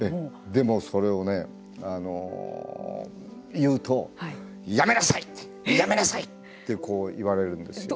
でもそれを言うとやめなさいやめなさいって言われるんですよ。